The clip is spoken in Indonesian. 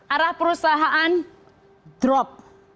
arah perusahaan drop